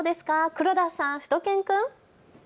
黒田さん、しゅと犬くん。